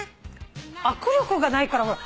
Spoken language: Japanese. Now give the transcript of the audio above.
握力がないからほら。